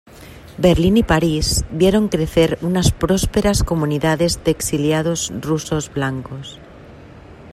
Berlín y París vieron crecer unas prósperas comunidades de exiliados rusos blancos.